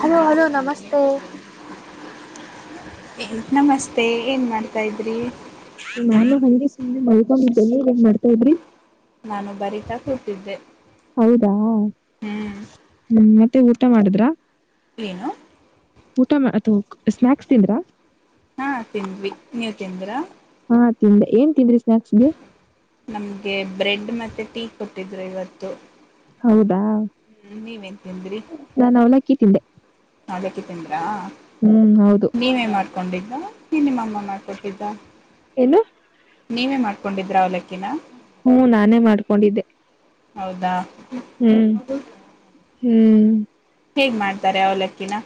Hello hello ನಮಸ್ತೆ. ನಮಸ್ತೆ ಏನ್ ಮಾಡ್ತಾ ಇದ್ರಿ. ನಾನು ಹಂಗೆ ಸುಮ್ಮ್ನೆ ಮಳ್ಕೊಂದಿದ್ದೇ ನೀವ ಏನ ಮಾಡ್ತಾ ಇದ್ರಿ? ನಾನು ಬರೀತಾ ಕೂತಿದ್ದೆ. ಹೌದಾ ಹ್ಮ್ ಹ್ಮ ಮತ್ತೆ ಊಟ ಮಾಡಿದ್ರ. ಏನು? ಊಟ ಅಥ ಸ್ನಾಕ್ಸ್ ತಿಂದ್ರಾ? ಹಾ ತಿಂದ್ವಿ ನೀವ್ ತಿಂದ್ರಾ. ಹಾ ತಿಂದೆ ಏನ್ ತಿಂದ್ರಿ ಸ್ನಾಕ್ಸ್ಗೆ. ನಮ್ಗೆ ಬ್ರೆಡ್ ಮತ್ತೆ ಟೀ ಕೊಟ್ಟಿದ್ರು ಇವತ್ತು. ಹೌದಾ ಹ್ಮ್ ನೀವೇನ್ ತಿಂದ್ರಿ ನಾನು ಅವಲಕ್ಕಿ ತಿಂದೆ ಅವಲಕ್ಕಿ ತಿಂದ್ರಾ. ಹ್ಮ್ ಹೌದು ಕೊಂಡಿದ್ದ ಏನ್ ನಿಮ್ಮಮ್ಮ ಮಾಡ್ಕೊಟ್ಟಿದ್ದ ಏನು ನೀವೇ ಮಾಡ್ಕೊಂಡಿದ್ರ ಅವಲಕ್ಕಿ. ಹ್ಮ ನಾನೇ ಮಾಡ್ಕೊಂಡಿದ್ದೆ. ಹೌದಾ ಹ್ಮ್ ಹ್ಮ್ ಹೇಗ್ ಮಾಡ್ತಾರೆ ಅವಲಕ್ಕಿನಾ?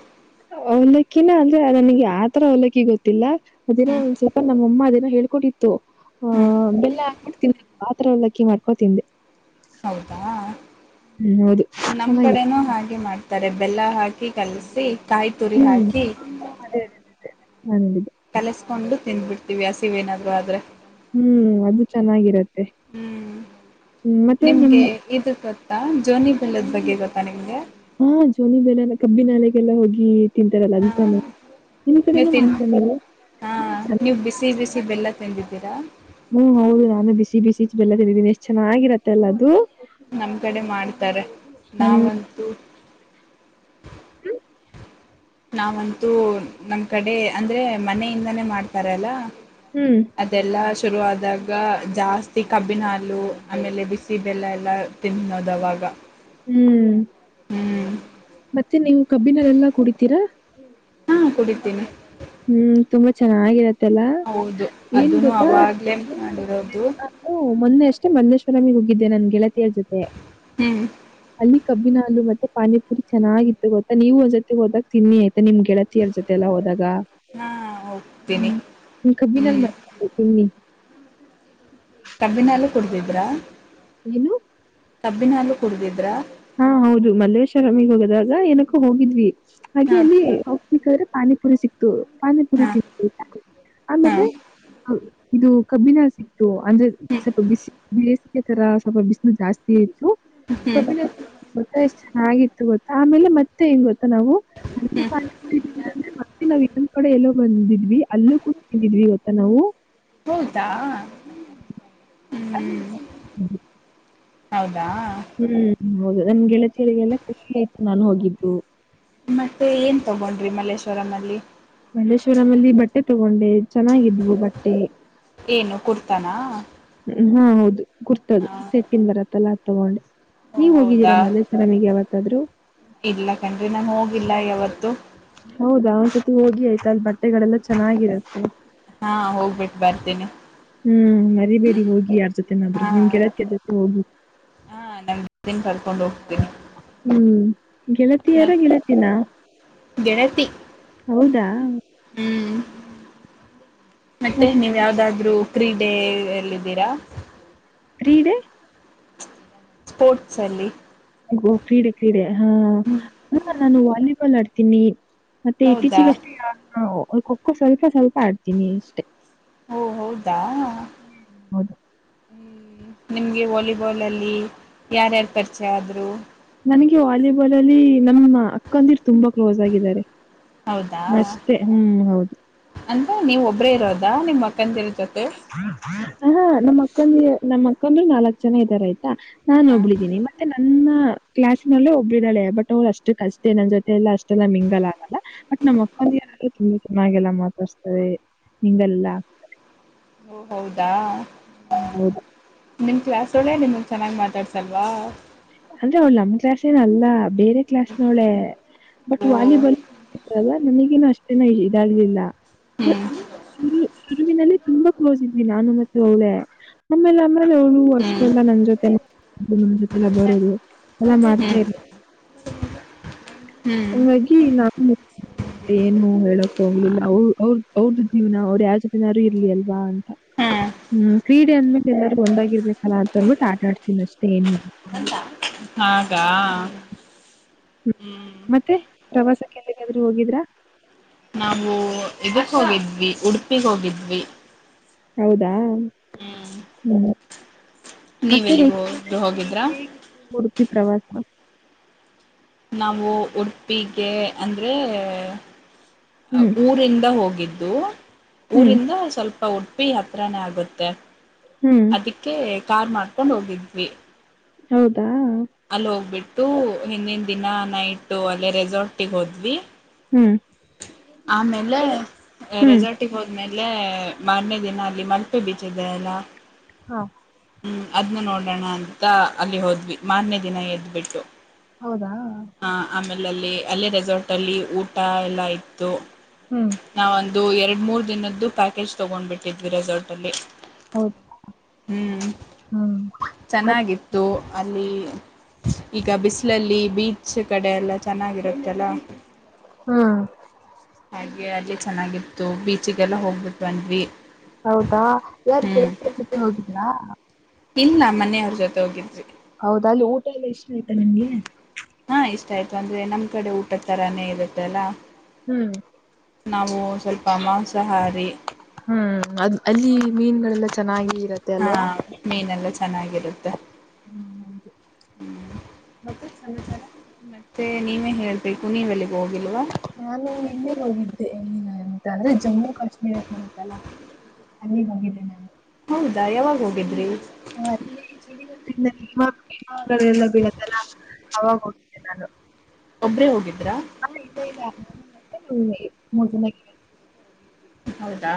ಅವಲಕ್ಕಿನ ಅಂದ್ರೆ ನನಗೆ ಯಾತರ ಅವಲಕ್ಕಿ ಗೊತ್ತಿಲ್ಲ ಅದೇನೋ ಒಂದ್ ಸ್ವಲ್ಪ ನಮ್ಮಮ್ಮ ಅದನ್ನ ಹೇಳ್ಕೊಟಿತ್ತು ಆ ಹ್ಮ್ ಬೆಲ್ಲ ಹಾಕ್ಬಿಟ್ಟು [inaudible] ಆತರವಲ್ಲಕ್ಕಿ ಮಾಡ್ಕೊಂಡ ತಿಂದೆ. ಹೌದಾ ಹ್ಮ್ ಹೌದು ನಮ್ ಚೆನ್ನಾಗಿತ್ತು ಕಡೆನೂ ಹಾಗೆ ಮಾಡ್ತಾರೆ ಬೆಲ್ಲ ಹಾಕಿ ಹಾಕಿ ಕಳ್ಸಿ ಕಾಯಿ ತುರಿ ಹ್ಮ್ ಹಾಕಿ - [unintelligible] ಕಲಿಸ್ಕೊಂಡು ತಿಂದಬಿಡ್ತೀವಿ ಹಸಿವ್ ಏನಾದ್ರು ಆದ್ರೆ. ಹ್ಮ್ ಅದು ಚೆನ್ನಾಗಿರುತ್ತೆ. ಹ್ಮ್ ನಿಮ್ಗೆ ಇದು ಗೊತ್ತಾ ಜೋನಿ ಬೆಳ್ಳದ ಬಗ್ಗೆ ಗೊತ್ತಾ ನಿಮ್ಗೆ ಹಾ ಜೋನಿ ಬೆಲ ಕಬ್ಬಿನಾಲೆಗೆಲ್ಲ ಹೋಗಿ ತಿಂತಾರಲ್ಲ ಹಾ ಅದ ತಾನೆ ನಿಮ್ ನೀವು ಕಡೆನೂ ತಿನ್ ಮಾತನಾಡಾರ ಹಾ ನೀವು್ ಬಿಸಿ ಬಿಸಿ ಬೆಲ್ಲ ತಿಂದಿದ್ದೀರಾ ಹ್ಮ್ ಹೌದು ನಾನು ಬಿಸಿ ಬಿಸಿ ಬೆಲ್ಲ ತೆಿಂದಿದೀನ ಎಷ್ಟು ಚೆನ್ನಾಗಿರತ್ತ ಅಲ್ಲ ಅದು ನಮ್ ಕಡೆ ಮಾಡ್ತಾರೆ ಹ್ಮ್ ನಾವಂತೂ ಹ್ಮ ನಾವಂತೂ ನಮ್ ಕಡೆ ಅಂದ್ರೆ ಮನೆಯಿಂದಾನೇ ಮಾಡ್ತಾರಲ್ಲ ಹ್ಮ್ ಅದೆಲ್ಲ ಶುರುವಾದಾಗ ಜಾಸ್ತಿ ಕಬ್ಬಿನ ಹಾಲು ಆಮೇಲೆ ಬಿಸಿ ಬೆಲ್ಲ ಎಲ್ಲ ತಿನ್ನೋದವಾಗ ಹ್ಮ್ ಹ್ಮ್ ಮತ್ತೆ ನೀವು್ ಕಬ್ಬಿನಲ್ಲಲ್ಲಾ ಕುಡಿತೀರಾ ಹಾ ಕುಡಿದ್ದೇನೆ ಹ್ಮ್ ತುಂಬಾ ಚೆನ್ನಾಗಿರತ್ತೆ ತಾಳ ಹೌದು ಏನ್ ಅದನ್ನು ಗೊತ್ತಾ ಅವಾಗ್ಲೇ ಮಾಡಿರೋದು ನಾವು ಮೊ ಅಷ್ಟೆ ಮಂದೇಶ್ವರಮಿ ಹೋಗಿದ್ದೆ ನನ್ ಗೆಳತಿಯರ್ ಜೊತೆ ಹ್ಮ್ ಅಲ್ಲಿ ಕಬ್ಬಿನ ಹಲುು ಮತ್ತೆ ಪಾನಿಪುರಿ ಚೆನ್ನಾಗಿತ್ತು ಗೊತ್ತಾ ನೀವು ಒಂದ ಜೊತೆ ಹೋದಾಗ ತಿನ್ನಿ ಆಯತಾ ನಿಮ್ ಗೆಳತಿಯರ ಜೊತೆ ಎಲ್ಲಾ ಹೋದಾಗ ಹಾ ಹೋಗ್ತೀನಿ ಹ್ಮ್ ಕ್ಯಾಬಿನ್ ಹ್ಮ್ ಹೇಳಲು [unintelligible] ಕಬ್ಬಿನಲುೂ ಕುಡಿದಿದ್ರಾ ಏನು ಕಬ್ಬಿನಲುೂ ಕುಡಿದಿದ್ರ ಹಾ ಹೌದು ಮಲ್ಲೇಶ್ವರಾಮಿಿಗೆ ಹೋಗದಾಗ ಏನಕ್ಕೂ ಹೋಗಿದ್ವಿ ಹಾಗೆ ಹಾ ಅಲ್ಲಿ [unintelligible] ಪಾನಿಪುರಿ ಸಿಕ್ತು ಪಾನಿಪುರಿ ಹಾ ತಿ ಹಾ ಆಮೇಲೆ ಇದು ಕಬ್ಬಿನ ಸಿಕ್ತು ಅಂದ್ರೆ ಸ್ವಲ್ಪ ಬಿಸಿ ಬೇಸಿಗೆ ತರ ಸ್ವಲ್ಪ ಬಿಸಿನ ಜಾಸ್ತಿ ಹ್ಮ್ [unintelligible] ಗೊತ್ತ ಎಷ್ಟು ಚೆನ್ನಾಗಿತ್ತು ಗೊತ್ತಾ ಆಮೇಲೆ ಮತ್ತೆ ಹೆ್ ಗೊತ್ತಾ ನಾವು ಅಲ್ಲಿ ಹ್ಮ ಪಾನಿಪುರಿ [unintelligible] ತಿಂದ್ರಂದ್ರೆ ಮತ್ತೆ ನಾವವು ಇನ್ನೊಂದ್ ಕಡೆ ಎಲ್ಲೋ ಬಂದಿದ್ವಿ ಅಲ್ಲೂ ಕೂಡ ಬಂದಿದ್ವಿ ಇವತ್ತ ನಾವು ಹೌದಾ ಹ್ಮ್ ಹ್ಮ್ ಹೌದಾ ಹ್ಮ್ ಹೌದು ನಮ್ ಗೆಳತರಿಗೆಲ್ಲ ಖುಷಿ ಆಯತು ನಾನು ಹೋಗಿದ್ದು ಮತ್ತೆ ಏನ್ ತಗೊಂಡ್ರಿ ಮಲ್ಲೇಶ್ವರಂ ಅಲ್ಲಿ ಮಲ್ಲೇಶ್ವರಂಲ್ಲಿ ಬಟ್ಟೆ ತಗೊಂಡೆ ಚೆನ್ನಾಗಿದ್ವು ಬಟ್ಟೆ ಏನು ಕುರ್ತಾನಾ ಹಾ ಹೌದು ಕುರ್ತದು ಹಾ ಸೆಟ್ಟನ್ ಬರತ್ತಲ್ಲಾ ಅದು ತಗೊಂಡೆ ಓ ನೀವ ಹೌದಾ ಹೋಗಿದ್ದೀರಾ ಮಲ್ಲೇಶ್ವರಾಮಿಗೆ ಯಾವತ್ತಾದ್ ಇಲ್ಲ ಕನ್ಡ್ರಿ ನನ್ ಹೋಗಿಲ್ಲ ಯಾವತ್ತುೂ ಹೌದಾ ಹೋಗಿ ಆಯ್ತಾ ಅಲ್ ಬಟ್ಟೆಗಳೆಲ್ಲಾ ಚೆನ್ನಾಗಿರುತ್ತೆ ಹಾ ಹೋಗ್ಬಿಟ್ಟು ಬರ್ತೇನಿ ಹ್ಮ್ ಮರಿಬೇಡಿ ಹೋಗಿ ಯಾರ್ ಜೊತೆನಾದ್ರು ಹಾ ನಿಮ್ಮ ಗೆಳತಿಯರ ಜೊತೆ ಹೋಗಿ ನಾಡು ಕೊಡು ಹೋಗ್ತೇನೆ [unintelligible] ಹ್ಮ್ ಗೆಳತಿಯಾರ ಮತ್ ಗೆಳತಿನ ಗೆಳತಿ ಹೌದಾ ಹ್ಮ್ ಮತ್ತೆ ಮತ್ ನೀವ್ ಯಾವ್ದಾದ್ರು. ಕ್ರೀಡ ಎಲ್ಲಿದ್ದೀರಾ? ಫ್ರೀಡೇ ಸ್ಪೋರ್ಟ್ಸ್ ಅಲ್ಲಿ ಕ್ರೀಡೆ ಕ್ರೀಡೆ ಹಾ ಹ ನಾನು ವಾಲಿಬಾಲ್ ಆಡ್ತೀನಿ ಮತ್ತೆ ಹೌದಾ ಇತ್ತೀಚಿಗಷ್ಟೇ ಖಖೋ ಸ್ವಲ್ಪ ಸ್ವಲ್ಪ ಆಡ್ತೀನಿ ಅಷ್ಟೇ ಓ ಹೌದಾ ಹೌದು. ಹ್ಮ್ ನಿಮ್ಗೆ ವಾಲಿಬಾಲ್ ಅಲ್ಲಿ ಯಾರ್ಯಾರು ಪರಿಚಯ ಆದ್ರು ನನಗೆ ವಾಲಿಬಾಲ್ ಅಲ್ಲಿ ನಮ್ಮ ಅಕ್ಕಂದಿಟ್ಟ ತುಂಬಾ ಕ್ಲೋಸ್ ಆಗಿದ್ದಾರೆ ಹೌದಾ ಅಷ್ಟೇ ಹ್ಮ್ ಹೌದು ಅಂದ ನೀವ ಒಬ್ರೇ ಇರೋದಾ ನಿಮ್ ಅಕ್ಕಂದಿ ಜೊತೆ ಹ ಹ ನಮ್ಮ ಅಕ್ಕಂದ ನಮ್ಮ ಅಕ್ಕಂದರು ನಾಲ್ಕ್ ಜನ ಇದ್ದಾರಯ್ತು ನಾನು ಹ ಒಬ್ಬಳಿದ್ದೀನಿ ಮತ್ತೆ ನನ್ನ ಕ್ಲಾಸ್ ನಲ್ಲೂ ಒಬ್ಳಿದ್ದಾಳೆ ಬಟ್ ಅವರು ಅಷ್ಟುಕೆ ಅಷ್ಟೇ ನನ್ನ ಜೊತೆಲ್ಲ ಅಷ್ಟ. ಮೆಲ್ಲ ಮಿಂಗಲ್ ಆಗಲ್ಲ ಬಟ್ ನಮ್ಮ್ ಮಕ್ಕ ಚೆನ್ನಾಗೆಲ್ಲ ಮಾತಾಡ್ಸ್ತವೆ ನಿಂಗಲ್ಲ. ಓ ಹೌದಾ ಹೌದಾ ನಿಮ್ಮ ಕ್ಲಾಸ ಒಳೆ ನಿಮಗೆ ಚೆನ್ನಾಗಿ ಮಾತಾಡ್ಸಲ್ವಾ. ಅಂದ್ರೆ ಅವಳು ನಮ ಕ್ಲಾಸ ಏನ ಅಲ್ಲ. ಬೇರೆ ಕ್ಲಾಸ್ ನೋಳೆ ಬಟ್ ಓ ವಾಲಿಬಾಲ್. ನನಗ ಅಷ್ಟೇನ ಇದಲಿಲ್ಲ ಹ್ಮ್ ಶುರುವಿನಲ್ಲಿ ತುಂಬಾ ಓದ್ ನಾನು ಮತ್ತೆ ಒಳೆ ಆಮೇಲೆ ಆಮೇಲೆ. ಹ್ಮ್ ಅಷ್ಟೆಲ್ಲ ನನ್ನ ಜೊತೆ ನ ಜೊತೆ ಬರು ಎಲ್ಲ ಮಾಡ್ತಾ ಹ್ಮ್ ಇರ್ಲಿ. ಹ್ಮ್ ಹಂಗಾಗಿ ನಾ ಏನು ಹೇಳಕ್ ಹೋಗ್ಲಿಲ್ಲ ಅವ ಅವ್ರದ ಅವ್ರದ್ದ ಜೀವನ ಅವ್ರ ಯ ಜತೆನ ಯಾರು ಇಲಿ ಅಲ್ವಾ. ಹ್ಮ್ ಹ್ಮ್ ಕ್ರೀಡೆ ಅಂದ್ಮೇಲೆ ಎಲ್ಲಾರೂ ಒಂದಾಗಿರ್ಬೇಕಲ್ಲ ಅಂತ ಅಂದ್ಬಿಟ್ಟು ಆಟಾಡ್ತಾರೆ. ಷ್ಟೇ ಏನ್ ಇಲ್ಲ. ಹಾಗಾ ಹ್ಮ ಮತ್ತೆ ಪ್ರವಾಸಕ್ಕೆ ಎಲ್ಲಿಗಾದರೂ ಹೋಗಿದ್ರ. ನಾವು ಇದಕ್ಕೆ ಹೋಗಿದ್ವಿ ಉಡುಪಿಗೆ ಹೋಗಿದ್ವಿ. ಹೌದಾ ಹ್ಮ್ ಹ್ಮ ನೀವ್ ಮತ್ತೆ ಹೇಗೆ ಎಲ್ಲಿಗೋ ಹೋಗಿದ್ರಾ ಉಡುಪಿ ಪ್ರವಾಸ ನಾವು ಉಡುಪಿಗೆ ಅಂದರೆ ಹ್ಮ್ ಊರಿಂದ ಹೋಗಿದ್ದು. ಹ್ಮ್ ಊರಿಂದ ಸ್ವಲ್ಪ ಉಡುಪಿ ಹತ್ರಾನೇ ಆಗುತ್ತೆ. ಹ್ಮ್ ಅದಕ್ಕೆ ಕಾರ್ ಮಾಡ್ಕೊಂಡ್ ಹೋಗಿದ್ವಿ. ಹೌದಾ ಅಲ್ಲಿ ಹೋಗ್ಬಿಟ್ಟು ಹಿಂದಿನ ದಿನ ನೈಟ್ ಅಲ್ಲೇ ರೆಸಾರ್ಟಿಗೆ ಹೋದ್ವಿ. ಹ್ಮ ಆಮೇಲೆ ರೆಸಾರ್ಟಿಗೆ ಹೋದ್ಮೇಲೆ ಮಾರನೇ ದಿನ ಅಲ್ಲಿ ಮಲ್ಪೆ ಬೀಚ್ಿದೆ ಅಲ್ಲ. ಅದನ್ನು ನೋಡೋಣ ಅಂತ ಅಲ್ಲಿ ಹೋದ್ವಿ. ಮಾರನೇ ದಿನ ಎದ್ದ್ಬಿಟ್ಟು. ಹೌದಾ ಹ ಆಮೇಲೆ ಅಲ್ಲಿ ಅಲ್ಲಿ ರೆಸಾರ್ಟ್ ಅಲ್ಲಿ ಊಟ ಎಲ್ಲಾ ಇತ್ತು. ಹ್ಮ್ ನಾವ ಒಂದು ಎರಡು ಮೂರು ದಿನದ್ದು ಪ್ಯಾಕೇಜ್ ತಗೊಂಡ್ಬಿಟ್ಟಿದ್ವಿ ರೆಸಾರ್ಟ್ ಅಲ್ಲಿ. ಹೌದು ಹ್ಮ್ ಹ್ಮ್ ಮತ್ತೆ ಚೆನ್ನಾಗಿತ್ತು ಅಲ್ಲಿ ಈಗ ಬಿಸಿಲಲ್ಲಿ ಬೀಚ್ ಈ ಕಡೆ ಎಲ್ಲ ಚೆನ್ನಾಗಿರುತ್ತಲ್ಲ. ಹ್ಮ್ ಹಾಗೆ ಅಲ್ಲಿ ಚೆನ್ನಾಗಿತ್ತು ಬೀಚಿಗೆಲ್ಲ ಹೋಗ್ಬಿಟ್ ಬಂದ್ವಿ. ಹೌದಾ ಯಾರ್ ಹ್ಮ್ ಹಿಲ್ಲಾ [unintelligible] ಇಲ್ಲ ಮನೆಯವ್ರ ಜೊತೆ ಹೋಗಿದ್ವಿ. ಹೌದ ಅಲ್ಲಿ ಊಟ ಎಲ್ಲ ಇಷ್ಟ ಆಯ್ತಾ ನಂಗೆ ಹ ಇಷ್ಟ ಆಯ್ತು ಅಂದ್ರೆ ನಮ್ ಕಡೆ ಊಟ ತರಾನೇ ಇರುತ್ತಲ್ಲ. ಹ್ಮ್ ನಾವು ಸ್ವಲ್ಪ ಮಾಂಸಾಹಾರಿ. ಅ ಅಲ್ಲಿ ಮೀನ್ಗಳೆಲ್ಲ ಚೆನ್ನಾಗಿ ಇರತ್ತೆ ಹಾ ಅಲ್ವಾ ಮೀನ ಎಲ್ಲಾ ಚೆನ್ನಾಗಿರುತ್ತೆ. ಹ್ಮ ಅದು ಮತ್ತ ಸಮಾಚಾರ ಮತ್ತೆ ನೀವೇ ಹೇಳಿ. ನಾನು ಹಿಂದೆ ಹೋಗಿದ್ದೆ ಎಂದಿನ. ಅಂದ್ರೆ ಜಮ್ಮು ಕಾಶ್ಮೀರ ನಂತಲ್ಲ ಅಲ್ಲಿಗೆ ಹೋಗಿದ್ದೆ ನಾನು ದಾಯಾವಾಗ ಹೋಗಿದ್ರಿ ಹ ನಿಮ್ಮ ಎಲ್ಲ ಬೀಳತ್ತಲ್ಲ ಅವಾಗಟ [unintelligible] ಒಬ್ರೇ ಹೋಗಿದ್ರಾ ಹ್ಮ ಮುಗ ಹೌದಾ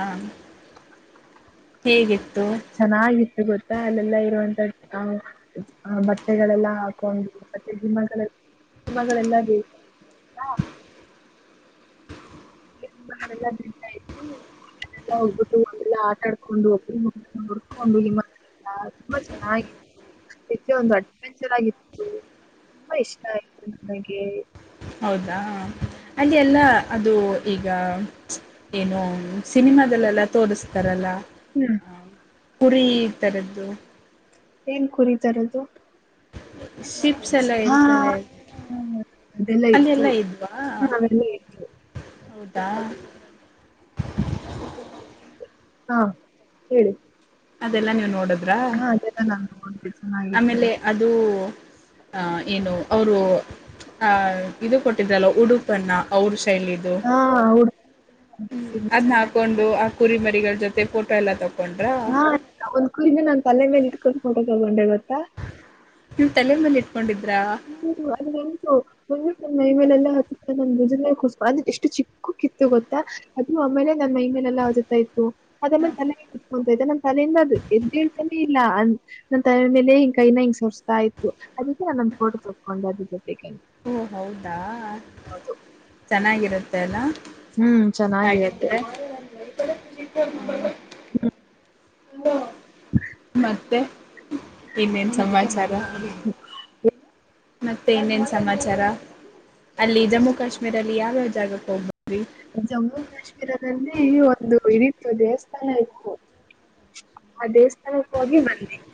ಹೇಗಿತ್ತು ಚೆನ್ನಾಗಿತ್ತು ಗೊತ್ತಾ ಅಲ್ಲೆಲ್ಲಾ ಇರುವಂತ್ದ ಹ ಬಟ್ಟೆಗಳೆಲ್ಲ ಹಾಕೊಂಡು ಮತ್ತೆ ಗಿಮ್ಮೆ ನಿಮ್ಮಗಳೆಲ್ಲ ಬೇಕ ಎಲ್ಲಾ ನಬಟ್ಟ ಎಲ್ಲಾ ಆಟಾ ಆಡ್ಕೊಂಡು ಒಬ್ಬ ನೋಡ್ಕೊಂಡು ಹಸ್ ಇದ್ಕೆ ಒಂದು ಅಡ್ವೆಂಚರ್ ಆಗಿತ್ತು ತುಂಬ ಇಷ್ಟ ಆಯತು ನನಗೆ ಹೌದಾ ಅಲ್ಲಿ ಎಲ್ಲ ಅದು ಈಗ ಏನು ಸಿನಿಮಾದಲ್ಲೆಲ್ಲ ತೋರಿಸ್ತಾರಲ್ಲ ಹ್ಮ್. ಹ ಕುರಿ ತರದ್ದು ಏನ್ ಕುರತಾರದು ಶಿಪ್ಸ್ ಎಲ್ಲ ಇರ್ತಾರೆ ಅದೆಲ್ಲ ಇತ್ತು ಅಲ್ಲಿಲ್ಲಾ ಇದ್ವಾ ನಾವೆಲ್ಲ ಹೌದಾ [inaudible] ಹಾ ಹೇಳಿ ಅದೆಲ್ಲ ನೀವು ನೋಡೋದು [unintelligible] ಚೆನ್ನಾಗಿ ಆಮೇಲೆ ಅದು ಅಹ ಏನು ಅವರು ಅಹ ಇದು ಕೊಟ್ಟಿದ್ರಲ್ಲ ಉಡುಪಣ ಏನಿದು ಹಾ ಹುಡ್ತೀನಿ ಅದನ್ನ ಹಾಕೊಂಡು ಕುರಿಮರಿಗಳ ಜೊತೆ ಫೋಟೋ ಎಲ್ಲ ತಕೊಂಡ್ರ ಹಾ ಒಂದ್ ಕುೂಡಿಂದ ನಾನ್ ತಲೆ ಮೇಲೆ ಇಟ್ಕೊಂಡು ಫೋಟೋ ತೊಗೊಂಡೇವ ಗೊತ್ತಾ ನೀವ್ ತಲೆ ಮೇಲೆ ಇಟ್ಕೊಂಡಿದಿ ಹ್ಮ್ ಅದು ಉಂಟು ಒಂದ್ ನ ನೈ ಮೇಲೆ ಎಲ್ಲ ಹಾಕಿ ನ ನಿಜಲ್ಲ ಕುಸ್ಕ ಅ್ರ ಎಷ್ಟು ಚಿಕ್ಕ ಕೂಗಿತ್ತು ಗೊತ್ತಾ ಅದು ಆಮೇಲೆ ನನ್ ಮೈ ಮೇಲೆಲ್ಲ ಜೊತಾ ಇತ್ತು ಅದಮೇಲೆ ತಲೆ ನನ್ ತಲೆಯಿಂದ ಎದ್ದ ಹೇಳ್ತಾನೆ ಇಲ್ಲ ಅ ನನ್ ತಾಯಮೇಲೆ ಹಿಂಗ ಕೈನ ಹಿಂಗ್ ಸರ್ತಾ ಆಯತತ್ತು ಅದಕ್ಕೆ ನಾ ನನ್ ಫೋಟ ತೊಕೊಂಡೆ ಅದಕ್ಕೆ ಓ ಹೌದಾ ಚೆನ್ನಾಗಿರುತ್ತೆ ಅಲ್ಲ ಹ್ಮ್ ಚೆನ್ನಾಗಿರುತ್ತೆ ಹಾಗಿದ್ರೆ ಹಲೋ ಮತ್ತೆ ಇನ್ನೇನ್ ಸಮಾಚಾರ ಮತ್ತೆ ಇನ್ನೇನ್ ಸಮಾಚಾರ ಅಲ್ಲಿ ಜಮ್ಮು ಕಾಶ್ಮೀರ ಅಲ್ಲಿ ಯಾವ್ಯಾವ ಜಾಗಕ್ಕೆ ಹೋಗ್ಬಹುದು ಜಮ್ಮು ಕಾಶ್ಮೀರದಲ್ಲಿ ಒಂದು ಇರಿಫ್ ದೇವಸ್ಥಾನ ಇತ್ತು. ಆ ದೇವಸ್ಥಾನಕ್ಕೆ ಹೋಗಿ ಮಾಡ್ದೆ. [inaudible]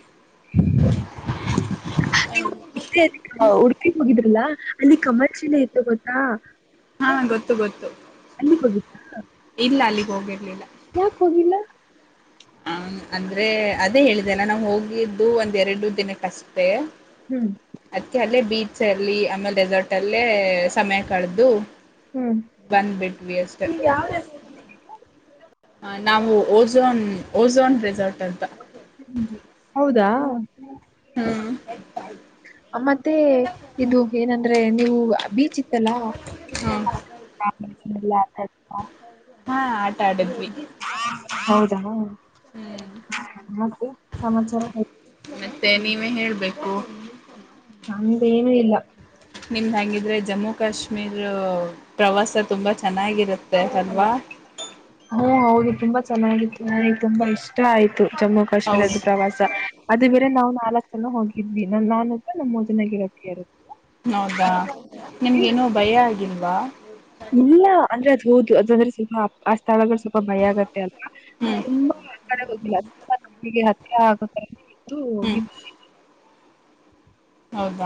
ಉಡುಪಿ ಹೋಗಿದ್ರಾ? ಇಲ್ಲ ಅಲ್ಲಿ ಕಮಲ್ ಶಿಲೆ ಇತ್ತು ಗೊತ್ತಾ. ಹಾ ಗೊತ್ತು ಗೊತ್ತು ಅಲ್ಲಿಗ್ ಇಲ್ಲ ಅಲ್ಲಿಗ್ ಹೋಗಿರ್ಲಿಲ್ಲ ಯಾಕ ಹೋಗಿಲ್ಲ ಹ ಅಂದ್ರೆ ಅದೇ ಹೇಳಿದೆಲ್ಲ ನಾ ಹೋಗಿದ್ದು ಒಂದ್ ಎರಡು ದಿನಕ್ಕೆ ಅಷ್ಟೇ ಅದ್ಕ್ಕೆ ಅಲ್ಲೇ ಬೀಚ್ ಅಲ್ಲಿ ಆಮೇಲೆ ಡೆಸರ್ಟ್ ದಲ್ಲೇ ಸಮಯ ಕಳೆದು ಹ್ಮ್ ಬನ್ ಬಿಟ್ ಅಷ್ಟೇ ಯಾವ್ದು ನಾವು ಓಝೋನ್ ಓಝೋನ್ ರೆಸಾರ್ಟ್ ಅಂತ ಹೌದಾ ಹ್ಮ ಮತ್ತೆ ಇದು ಏನಂದ್ರೆ ನೀವು ಅ ಬಿಜಿತ್ ಹ್ಮ್ ಬಿಚಿತಲ್ಲ ಹಾ ಆಟ ಆಡಿದ್ವಿ. ಹೌದಾ ಹ್ಮ್ ಮತ್ತೆ ಸಮಾಚಾರ ಮತ್ತೆ ನೀವೇ ಹೇಳ್ಬೇಕು. ನಮ್ಮದೇನು ಇಲ್ಲ. ನಿಮ್ಡ್ ಹೆಂಗಿದ್ರೆ ಜಮ್ಮು ಕಾಶ್ಮೀರ್ ಪ್ರವಾಸ ತುಂಬಾ ಚೆನ್ನಾಗಿರುತ್ತೆ ಅಲ್ವಾ? ಹ್ಮ್ ಹೌದು ತುಂಬಾ ಚೆನ್ನಾಗಿತ್ತು ನನಗೆ ತುಂಬಾ ಇಷ್ಟ ಆಯ್ತು ಜಮ್ಮು ಹೌದು ಕಾಶ್ಮೀರದ ಪ್ರವಾಸ ಅದು ಬೇರೆ ನಾವು ನಾಲ್ಕ್ ಜನ ಹೋಗಿದ್ವಿ ನಾನ್ ಒಬ್ಳು ನನ್ನ ಮೂರು ಜನ ಗೆಳತಿಯರು. ಹೌದಾ ನಿಮ್ಗೇನೋ ಭಯ ಆಗಿಲ್ವಾ? ಇಲ್ಲ ಅಂದ್ರೆ ಅದು ಹೌದು ಅದಂದ್ರೆ ಆ ಸ್ಥಳಗಳು ಸ್ವಲ್ಪ ಸ್ವಲ್ಪ ಭಯ ಆಗತ್ತೆ ಅಂತ ಅಲ್ಲ ಹ್ಮ್ ತುಂಬಾ [inaudible] ಅದು ಹೋಗಿದ್ವಿ. ಹೌದ.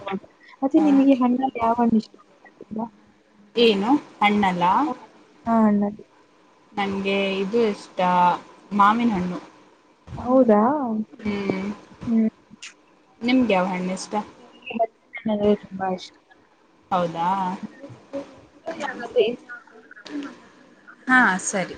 ಹೌದ ಮತ್ತೆ ನಿಮಗೆ ಹಣ್ಣಲ್ಲಿ ಯಾವ ಹಣ್ಣ ಇಷ್ಟ? ಏನು ಹಣ್ಣ ಅಲ್ಲಾ. ಹಾ ನನಗೆ ಇದು ಇಷ್ಟ ಮಾವಿನ ಹಣ್ಣು. ಹೌದಾ ಹ್ಮ್ ನಿಮ್ಗೆ ಯಾವ ಹಣ್ಣು ಇಷ್ಟ. ನನಗೆ ತುಂಬಾ ಇಷ್ಟ. ಹೌದಾ ಆದ್ರೆ ಹಾ ಸರಿ.